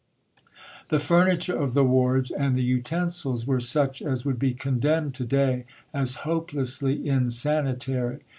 The furniture of the wards, and the utensils, were such as would be condemned to day as hopelessly insanitary.